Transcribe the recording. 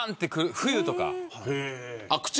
冬とか。